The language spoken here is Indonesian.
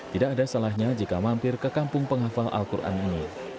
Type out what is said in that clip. tidak ada salahnya jika mampir ke kampung penghafal al quran ini